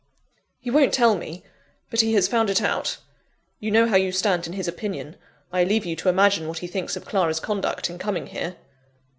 "He won't tell me. But he has found it out. You know how you stand in his opinion I leave you to imagine what he thinks of Clara's conduct in coming here."